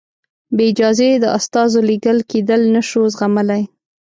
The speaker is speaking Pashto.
بې اجازې د استازو لېږل کېدل نه شو زغملای.